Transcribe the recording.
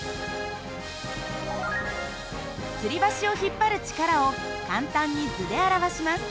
つり橋を引っ張る力を簡単に図で表します。